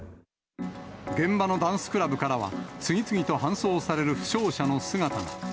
現場のダンスクラブからは、次々と搬送される負傷者の姿が。